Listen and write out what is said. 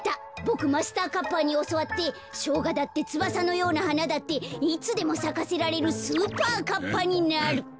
ボクマスターカッパーにおそわってしょうがだってつばさのようなはなだっていつでもさかせられるスーパーカッパになる。